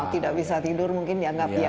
tidak bisa tidur mungkin dianggap ya